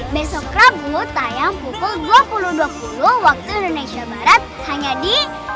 besok ragu tayang pukul dua puluh dua puluh waktu indonesia barat hanya di